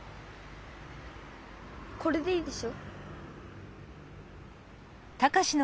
これでいいでしょ？